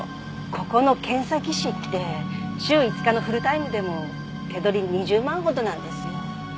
ここの検査技師って週５日のフルタイムでも手取り２０万ほどなんですよ。